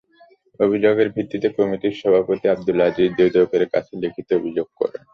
অভিযোগের ভিত্তিতে কমিটির সভাপতি আবদুল আজিজ দুদকের কাছে লিখিত অভিযোগ করেন।